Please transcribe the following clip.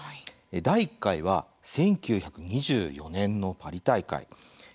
第１回は１９２４年のパリ大会。